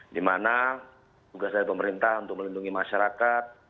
di mana tugas dari pemerintah untuk melindungi masyarakat